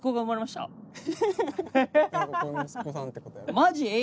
マジ！？